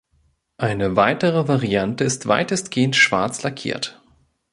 Eine weitere Variante ist weitestgehend schwarz lackiert.